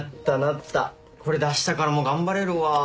これであしたからも頑張れるわ。